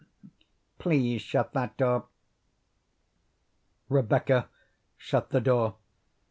Please shut that door." Rebecca shut the door.